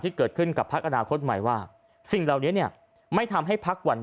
ที่เกิดขึ้นกับพักอนาคตใหม่ว่าสิ่งเหล่านี้เนี่ยไม่ทำให้พักวัน